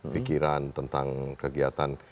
pikiran tentang kegiatan